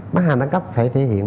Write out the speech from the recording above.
bác hàng đa cấp phải thể hiện